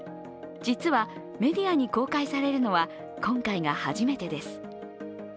実は、メディアに公開されるのは今回が初めてです。